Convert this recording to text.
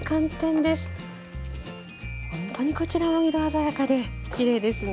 ほんとにこちらも色鮮やかできれいですね。